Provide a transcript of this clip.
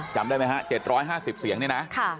จำได้ไหมฮะ๗๕๐เสียงนี่นะ